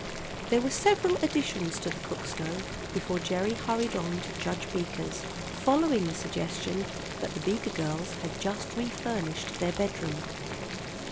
There were several additions to the cook stove before Gerry hurried on to Judge Beaker's, following the suggestion that the Beaker girls had just refurnished their bedroom.